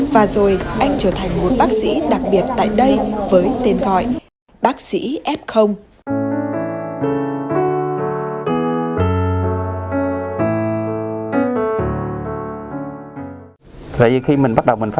và rồi anh trở thành một bác sĩ đặc biệt tại đây với tên gọi bác sĩ f